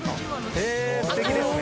へぇすてきですね。